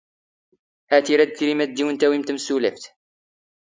ⵀⴰⵜ ⵉ ⵔⴰⴷ ⵜⵉⵔⵉⵎ ⴰⴷ ⴷ ⴷⵉⵡⵏ ⵜⴰⵡⵉⵎ ⵜⴰⵎⵙⵓⵍⴰⴼⵜ.